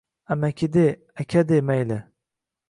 Amaki de, aka de, mayli…